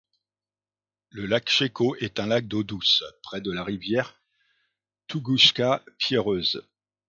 Le lac Cheko est un lac d'eau douce, près de la rivière Toungouska Pierreuse.